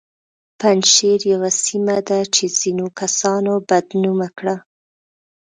پنجشیر یوه سیمه ده چې ځینو کسانو بد نومه کړه